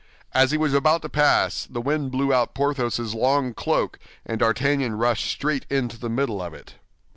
As he was about to pass, the wind blew out Porthos's long cloak, and D'Artagnan rushed straight into the middle of it.